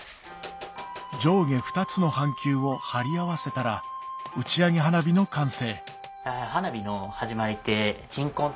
上下２つの半球を貼り合わせたら打ち上げ花火の完成